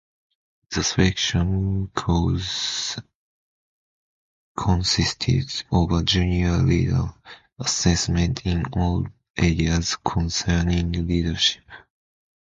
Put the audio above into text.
The selection course consisted of a junior leader assessment in all areas concerning leadership.